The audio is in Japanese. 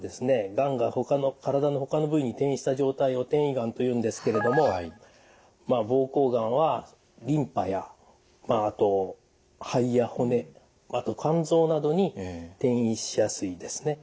がんが体のほかの部位に転移した状態を転移がんというんですけれども膀胱がんはリンパやあと肺や骨あと肝臓などに転移しやすいですね。